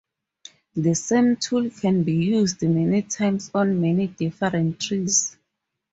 The same tool can be used many times on many different trees.